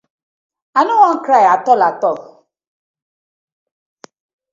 I no won cry atol atol.